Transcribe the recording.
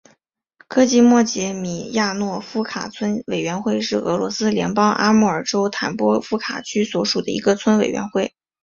科济莫杰米亚诺夫卡村委员会是俄罗斯联邦阿穆尔州坦波夫卡区所属的一个村委员会。